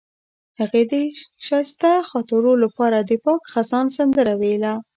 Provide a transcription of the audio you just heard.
هغې د ښایسته خاطرو لپاره د پاک خزان سندره ویله.